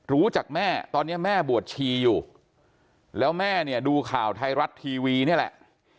รู้จักแม่ตอนนี้แม่บวชชีอยู่แล้วแม่เนี่ยดูข่าวไทยรัฐทีวีนี่แหละ